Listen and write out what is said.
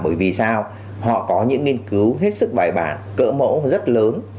bởi vì sao họ có những nghiên cứu hết sức bài bản cỡ mẫu rất lớn